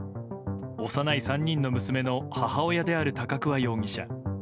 幼い３人の娘の母親である高桑容疑者。